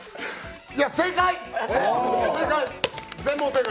正解！